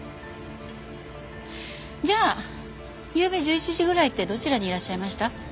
じゃあゆうべ１１時ぐらいってどちらにいらっしゃいました？